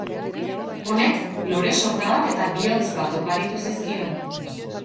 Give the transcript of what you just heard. Honek lore-sorta bat eta bihotz bat oparitu zizkion.